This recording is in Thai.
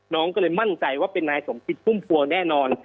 น้องก็เลยมั่นใจว่าเป็นนายสมคิดพุ่มพวงแน่นอน